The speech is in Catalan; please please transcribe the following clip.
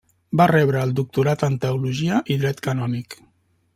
Va rebre el doctorat en Teologia i Dret Canònic.